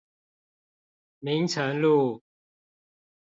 明誠路